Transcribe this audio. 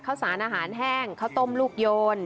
ข้าวสารอาหารแห้งข้าวต้มลูกโยน